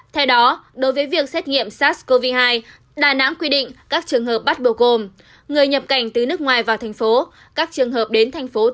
theo đó đối với việc xét nghiệm sars cov hai đà nẵng quy định các trường hợp bắt bồ côm người nhập cảnh từ nước ngoài vào thành phố